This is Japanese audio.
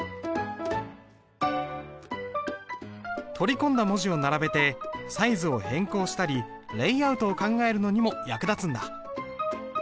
取り込んだ文字を並べてサイズを変更したりレイアウトを考えるのにも役立つんだ。